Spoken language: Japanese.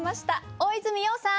大泉洋さん！